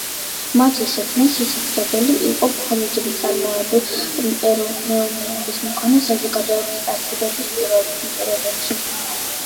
მათი შექმნა შესაძლებელი იყო მხოლოდ მწარმოებლური მეურნეობის მქონე საზოგადოების არსებობის პირობებში.